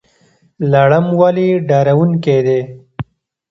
لړم ولې ډارونکی دی؟